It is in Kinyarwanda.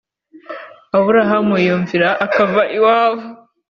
aburahamu yumvira akava iwabo